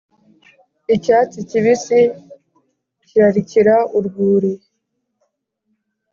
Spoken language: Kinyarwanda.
icyatsi kibisi kirarikira urwuri,